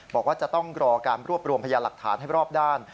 บอกว่าจะต้องรอการรวบรวมพยานหลักฐานให้รอบด้าน